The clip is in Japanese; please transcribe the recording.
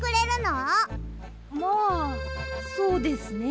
まあそうですね。